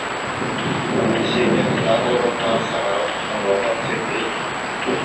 Сеня таах олоруохтааҕар саҥарар, онуоха Сергей: